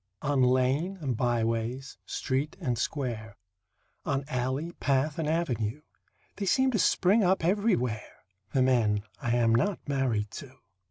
On lane and byways, street and square, On alley, path and avenue, They seem to spring up everywhere The men I am not married to.